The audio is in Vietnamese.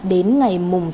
đến ngày sáu tháng chạp